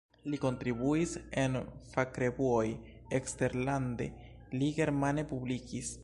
Li kontribuis en fakrevuoj, eksterlande li germane publikis.